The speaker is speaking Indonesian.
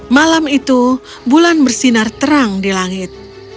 malam itu bulan bersinar terang di langit